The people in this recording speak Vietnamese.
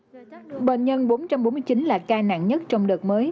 bệnh nhân bốn trăm bốn mươi chín là ca nặng nhất trong đợt mới